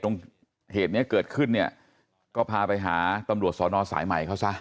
ตรงเหตุเนี้ยเกิดขึ้นเนี่ยก็พาไปหาตำรวจสอนอสายใหม่เขาซะ